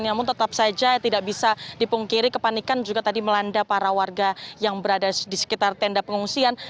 namun tetap saja tidak bisa dipungkiri kepanikan juga tadi melanda para warga yang berada di sekitar tenda pengungsian